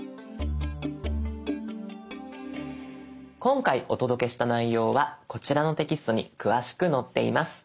今回お届けした内容はこちらのテキストに詳しく載っています。